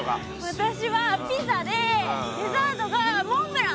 私はピザでデザートがモンブラン！